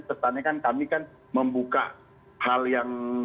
pesannya kan kami kan membuka hal yang